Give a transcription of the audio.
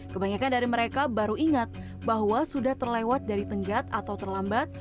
kebanyakan dari mereka baru ingat bahwa sudah terlewat dari tenggat atau terlambat